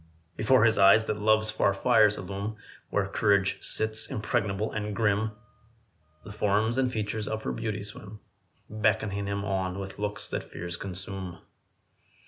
Before his eyes that love's far fires illume Where courage sits, impregnable and grim The form and features of her beauty swim, Beckoning him on with looks that fears consume.